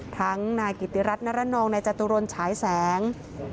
ทั้งนายกิติรัฐนรนด์นองในจตุรนด์ฉายแสง